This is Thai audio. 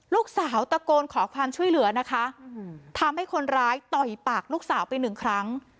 ลูกสาวตะโกนขอความช่วยเหลือนะคะทำให้คนร้ายต่อยปากลูกสาวไปหนึ่งครั้ง